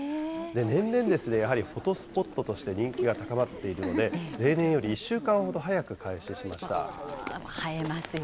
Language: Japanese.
年々、やはりフォトスポットとして人気が高まっているので、例年より１週間ほど早く開始しました。